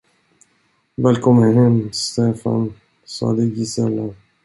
Välkommen hem, Stefan, sade Gisela.